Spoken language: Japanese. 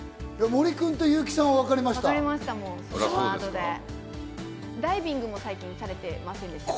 森君と優木さんはわかりましダイビングも最近されてませんでした？